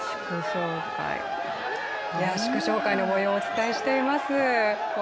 祝勝会の模様をお伝えしています。